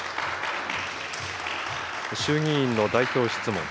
衆議院の代表質問。